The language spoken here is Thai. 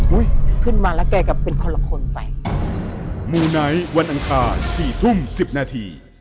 อุ๊ยขึ้นมาแล้วแกก็เป็นคนละคนไป